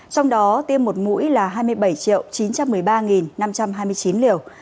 trong đó tiêm một mũi là hai mươi bảy chín trăm một mươi ba năm trăm hai mươi chín liều